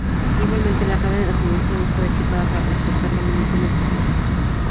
Igualmente, la cadena de suministro no estaba equipada para transportar la munición adicional.